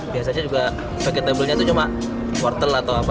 biasanya juga vegetablenya cuma wortel atau apa